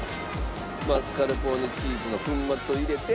マスカルポーネチーズの粉末を入れて。